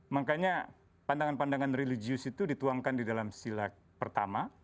makanya pandangan pandangan religius itu dituangkan di dalam sila pertama